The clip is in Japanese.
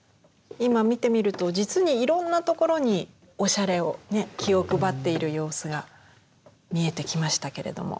今見てみると実にいろんなところにおしゃれをね気を配っている様子が見えてきましたけれども。